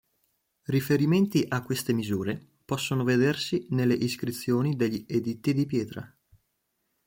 Riferimenti a queste misure possono vedersi nelle iscrizioni degli editti di pietra.